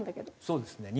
そうですね。